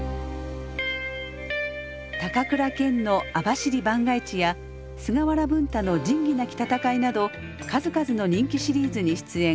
高倉健の「網走番外地」や菅原文太の「仁義なき戦い」など数々の人気シリーズに出演。